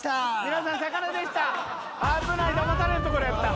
危ないだまされるところやった。